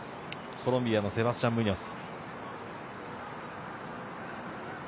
コロンビアのセバスチャン・ムニョス。